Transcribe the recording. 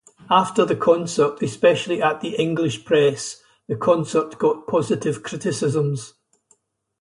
After the concert especially at the English press the concert got positive criticisms.